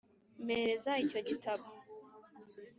- mpereza icyo gitabo.